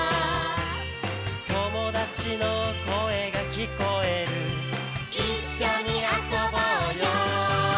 「友達の声が聞こえる」「一緒に遊ぼうよ」